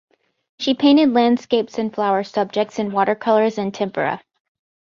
She painted landscapes and flower subjects in watercolours and tempera.